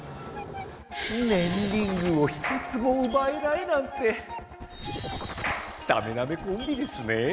ねんリングを一つもうばえないなんてダメダメコンビですねぇ。